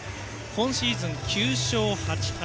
今シーズン、９勝８敗。